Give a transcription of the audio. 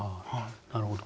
なるほど。